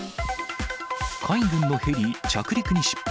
海軍のヘリ着陸に失敗。